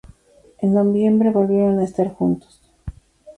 En noviembre volvieron a estar juntos.